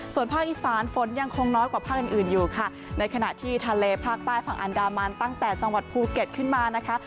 ส่วนภาคอีสานฝนยังคงน้อยกว่าภาคอื่นอื่นอยู่ค่ะในขณะที่ทะเลภาคใต้ฝั่งอันดามันตั้งแต่จังหวัดภูเก็ตขึ้นมานะคะ